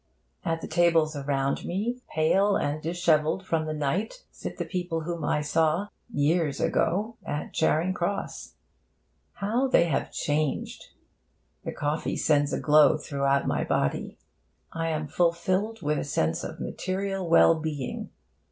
At the tables around me, pale and dishevelled from the night, sit the people whom I saw years ago! at Charing Cross. How they have changed! The coffee sends a glow throughout my body. I am fulfilled with a sense of material well being.